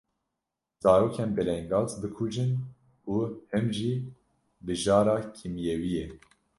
zarokên belengaz bikujin û him jî bi jara kîmyewiyê.